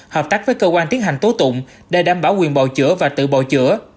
hợp tác với cơ quan tiến hành tố tụng để đảm bảo quyền bầu chữa và tự bầu chữa